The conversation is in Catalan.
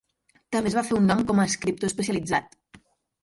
També es va fer un nom com a escriptor especialitzat.